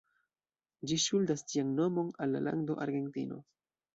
Ĝi ŝuldas ĝian nomon al la lando Argentino.